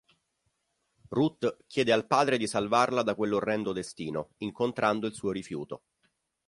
Ruth chiede al padre di salvarla da quell'orrendo destino, incontrando il suo rifiuto.